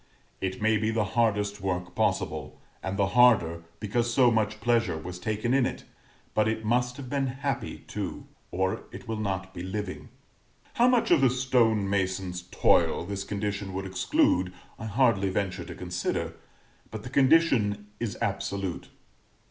It may be the hardest work possible, and the harder because so much pleasure was taken in it; but it must have been happy too, or it will not be living. How much of the stone mason's toil this condition would exclude I hardly venture to consider, but the condition is absolute.